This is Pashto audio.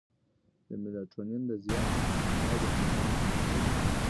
د میلاټونین د زیان پایلې په ماشومانو کې لیدل شوې.